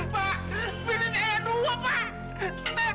pak pilih saya dua pak